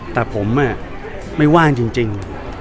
แต่ผมไม่ว่างจริง